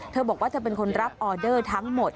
บอกว่าจะเป็นคนรับออเดอร์ทั้งหมด